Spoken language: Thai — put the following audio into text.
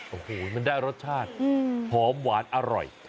โอ้โหมันได้รสชาติหอมหวานอร่อย